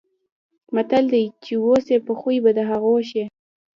متل دی: چې اوسې په خوی به د هغو شې.